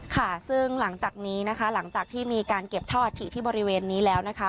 ค่ะซึ่งหลังจากนี้นะคะหลังจากที่มีการเก็บท่ออาถิที่บริเวณนี้แล้วนะคะ